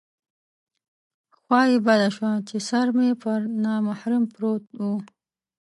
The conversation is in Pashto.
خوا یې بده شوه چې سر مې پر نامحرم پروت و.